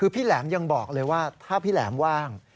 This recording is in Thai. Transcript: พี่แหลมยังบอกเลยว่าถ้าพี่แหลมว่าง